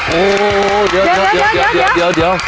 โหเดี๋ยว